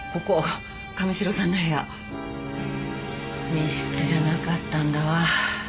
密室じゃなかったんだわ。